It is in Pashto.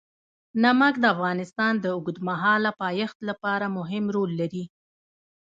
نمک د افغانستان د اوږدمهاله پایښت لپاره مهم رول لري.